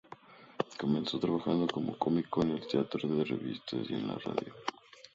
Comenzó trabajando como cómico en el teatro de revistas y en la radio.